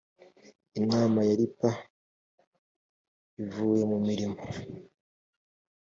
inama ya ripa ivuye mu mirimo.